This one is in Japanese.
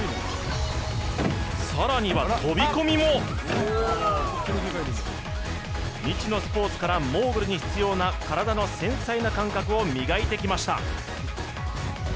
更には、飛込も未知のスポーツからモーグルに必要な体の繊細な感覚を磨いてきました。